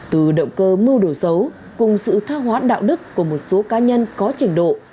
từ động cơ mưu đồ xấu cùng sự thác hoãn đạo đức của một số cá nhân có trình độ